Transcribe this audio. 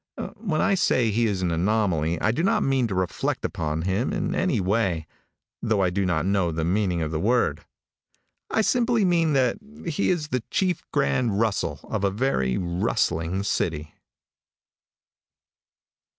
When I say he is an anomaly, I do not mean to reflect upon him in any way, though I do not know the meaning of the word. I simply mean that he is the chief grand rustle of a very rustling city.